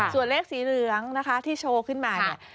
ส่วนเลขสีเหลืองนะคะที่โชว์ขึ้นมาเนี่ย